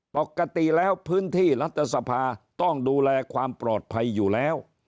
ปกติแล้วพื้นที่รัฐสภาต้องดูแลความปลอดภัยอยู่แล้ว